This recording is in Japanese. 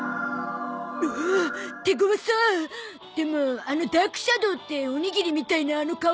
でもあのダークシャドーっておにぎりみたいなあの顔